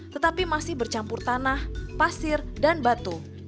tetapi masih bercampur tanah pasir dan batu